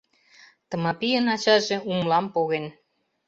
Тмапийын ачаже умлам поген.